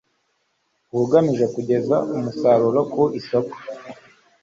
ubugamije kugeza umusaruro ku isoko